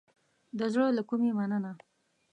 د زړه له کومې مننه